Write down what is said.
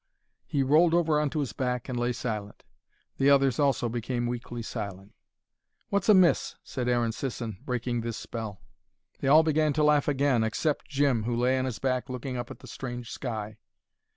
He rolled over on to his back, and lay silent. The others also became weakly silent. "What's amiss?" said Aaron Sisson, breaking this spell. They all began to laugh again, except Jim, who lay on his back looking up at the strange sky.